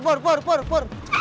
pur pur pur pur